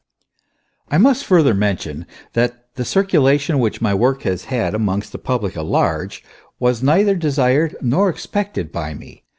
I must further mention that the circulation which my work has had amongst the public at large, was neither desired nor expected by me.